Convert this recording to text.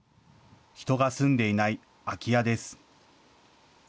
人が住んでいない空き家です。